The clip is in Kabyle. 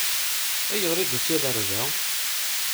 Ayɣer i d-tusiḍ ɣer da?